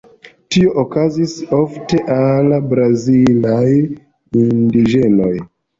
Tio okazis ofte al brazilaj indiĝenoj.